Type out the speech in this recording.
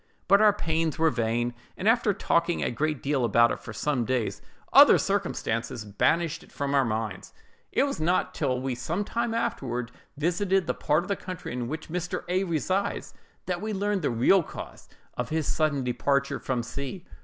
But our pains were vain; and after talking a great deal about it for some days, other circumstances banished it from our minds. "It was not till we some time afterward visited the part of the country in which Mr. A—— resides, that we learned the real cause of his sudden departure from C——.